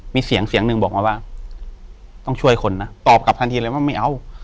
มีเสียงเสียงหนึ่งบอกมาว่าต้องช่วยคนนะตอบกลับทันทีเลยว่าไม่เอา